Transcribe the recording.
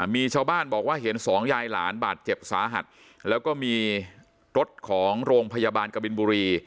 มีชาวบ้านบอกว่าเห็นสองยายหลานบาดเจ็บสาหัสแล้วก็มีรถของโรงพยาบาลกบินบุรี